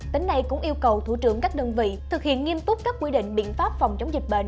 tỉnh này cũng yêu cầu thủ trưởng các đơn vị thực hiện nghiêm túc các quy định biện pháp phòng chống dịch bệnh